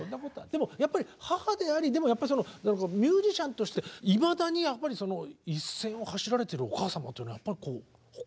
でもやっぱり母でありでもやっぱりミュージシャンとしていまだにやっぱり一線を走られてるお母様というのは誇らしくないですか？